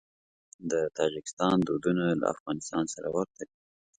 د تاجکستان دودونه له افغانستان سره ورته دي.